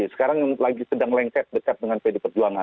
sekarang yang sedang lengket dekat dengan pdip